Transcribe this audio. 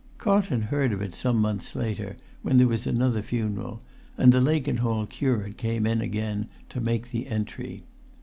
Carlton heard of it some months later, when there was another funeral, and the Lakenhall curate came in again to make the entry.